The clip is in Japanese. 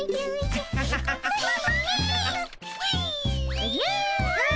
おじゃ。わ。